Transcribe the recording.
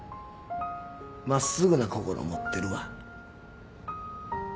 まっすぐな心持ってるわ。